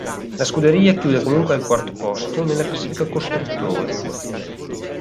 La scuderia chiude comunque al quarto posto nella classifica costruttori.